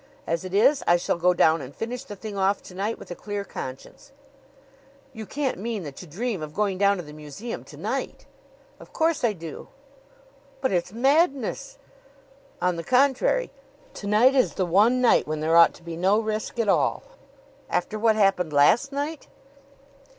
As it is, I shall go down and finish the thing off to night with a clear conscience." "You can't mean that you dream of going down to the museum to night!" "Of course I do." "But it's madness!" "On the contrary, to night is the one night when there ought to be no risk at all." "After what happened last night?"